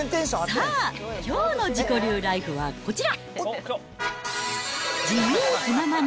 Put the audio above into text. さあ、きょうの自己流ライフはこちら。